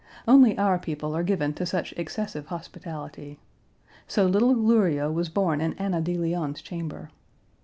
Only our people are given to such excessive hospitality. So little Luryea was born in Anna De Leon's chamber.